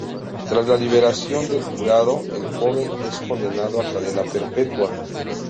Tras la deliberación del jurado, el joven es condenado a cadena perpetua.